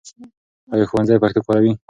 ایا ښوونځی پښتو کاروي؟